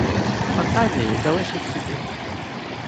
Фантазії залишіть собі